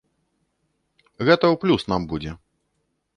Гэта ў плюс нам будзе.